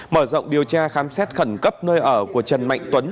mở rộng điều tra khám xét khẩn cấp nơi ở của trần mạnh tuấn